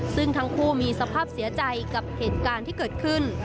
ซึ่งทั้งคู่มีสภาพเสียใจกับเหตุการณ์ที่เกิดขึ้น